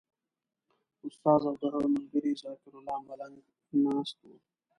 استاد او د هغه ملګری ذکرالله ملنګ ناست وو.